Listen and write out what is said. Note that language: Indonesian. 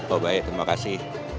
oh baik terima kasih